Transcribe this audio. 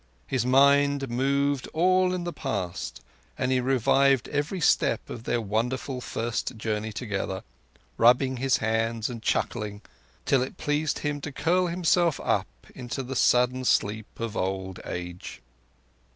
His mind moved all in the past, and he revived every step of their wonderful first journey together, rubbing his hands and chuckling, till it pleased him to curl himself up into the sudden sleep of old age.